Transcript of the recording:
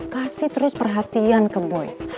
kasih terus perhatian ke boy